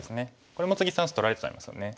これも次３子取られちゃいますよね。